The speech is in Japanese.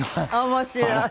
面白い！